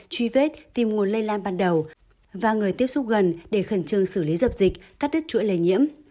truy vết tìm nguồn lây lan ban đầu và người tiếp xúc gần để khẩn trương xử lý dập dịch cắt đứt chuỗi lây nhiễm